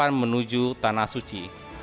kita persiapan menuju tanah suci